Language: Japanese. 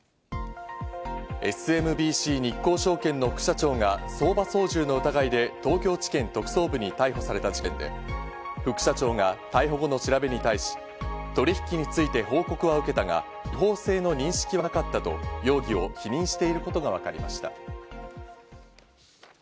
ＳＭＢＣ日興証券の副社長が相場操縦の疑いで東京地検特捜部に逮捕された事件で、副社長が逮捕後の調べに対し、取引について報告は受けたが、違法性の認識はなかったと容疑を否認していることがわかりました。